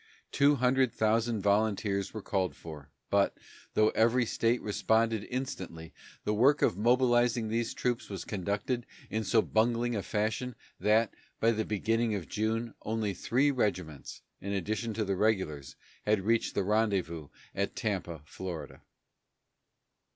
Two hundred thousand volunteers were called for, but, though every state responded instantly, the work of mobilizing these troops was conducted in so bungling a fashion that, by the beginning of June, only three regiments, in addition to the regulars, had reached the rendezvous at Tampa, Florida.